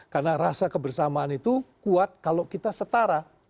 karena rasa kebersamaan itu kuat kalau kita setara